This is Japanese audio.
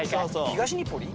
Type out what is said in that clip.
東日暮里？